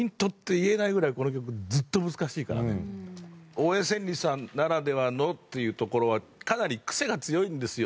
大江千里さんならではのっていうところはかなりクセが強いんですよ。